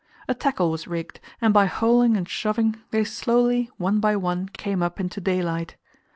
A tackle was rigged, and by hauling and shoving they slowly, one by one, came up into daylight.